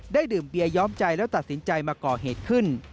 ดื่มเบียย้อมใจแล้วตัดสินใจมาก่อเหตุขึ้น